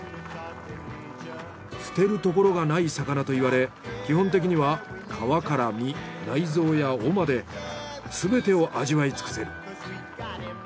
捨てるところがない魚といわれ基本的には皮から身内臓や尾まですべてを味わいつくせる。